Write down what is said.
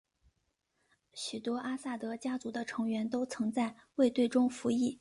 许多阿萨德家族的成员都曾在卫队中服役。